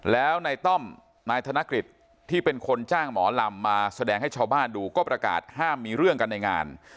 แล้วนายต้อมนายธนกฤษที่เป็นคนจ้างหมอลำมาแสดงให้ชาวบ้านดูก็ประกาศห้ามมีเรื่องกันในงาน